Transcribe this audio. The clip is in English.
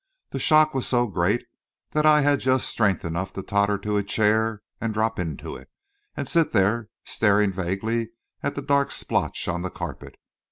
The shock was so great that I had just strength enough to totter to a chair and drop into it, and sit there staring vaguely at that dark splotch on the carpet.